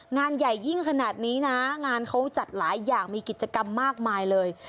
งานใหญ่ยิ่งขนาดนี้นะงานเขาจัดหลายอย่างมีกิจกรรมมากมายเลย